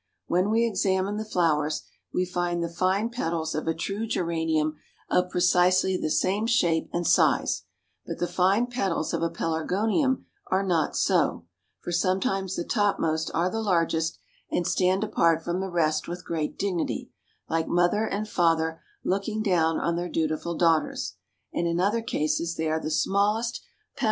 When we examine the flowers, we find the fine petals of a true Geranium of precisely the same shape and size; but the fine petals of a Pelargonium are not so, for sometimes the topmost are the largest, and stand apart from the rest with great dignity, like mother and father looking down on their dutiful daughters, and in other cases they are the smallest, suggesting that the daughters have grown too fast and become unmanageable.